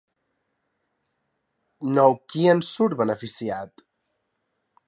Nou-Qui en surt beneficiat?